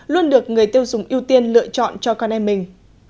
luôn được người tiêu dùng ưu tiên lựa chọn cho con em mình